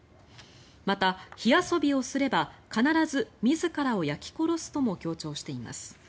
また、火遊びをすれば必ず自らを焼き殺すとも強調しています。